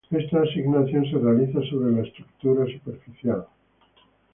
Esta asignación se realiza sobre la estructura Superficial.